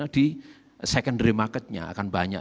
di secondary marketnya akan banyak